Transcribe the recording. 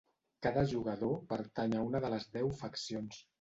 Cada jugador pertany a una de les deu faccions.